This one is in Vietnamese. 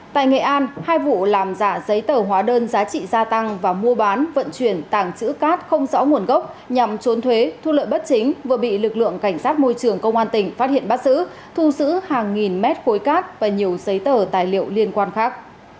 tại nghệ an hai vụ làm giả giấy tờ hóa đơn giá trị gia tăng và mua bán vận chuyển tàng trữ cát không rõ nguồn gốc nhằm trốn thuế thu lợi bất chính vừa bị lực lượng cảnh sát môi trường công an tỉnh phát hiện bắt xử thu giữ hàng nghìn mét khối cát và nhiều giấy tờ tài liệu liên quan khác